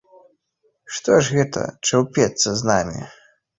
Што ж гэта чаўпецца з намі?